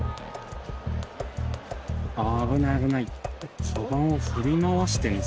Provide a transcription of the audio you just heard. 危ない、危ない。